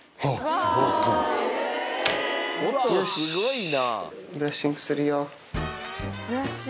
すごいな！